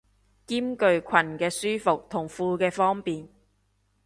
兼具裙嘅舒服同褲嘅方便